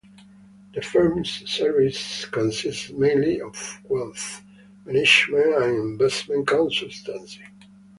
The firm's services consist mainly of wealth management and investment consultancy.